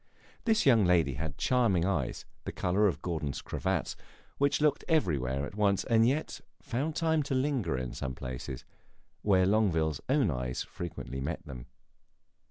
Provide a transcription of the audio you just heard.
This young lady had charming eyes (of the color of Gordon's cravats), which looked everywhere at once and yet found time to linger in some places, where Longueville's own eyes frequently met them.